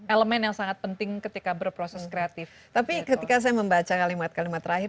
elemen yang sangat penting ketika berproses kreatif tapi ketika saya membaca kalimat kalimat terakhir